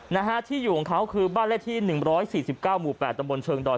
นะฮะที่อยู่ของเขาคือบ้านเลขที่๑๔๙หมู่๘ตำบลเชิงดอย